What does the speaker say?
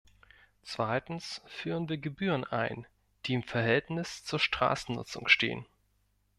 Zweitens führen wir Gebühren ein, die im Verhältnis zur Straßennutzung stehen.